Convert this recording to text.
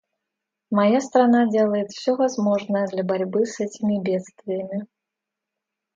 Моя страна делает все возможное для борьбы с этими бедствиями.